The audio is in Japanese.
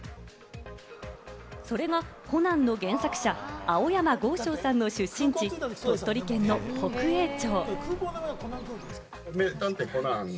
それがコナンの原作者・青山剛昌さんの出身地、鳥取県の北栄町。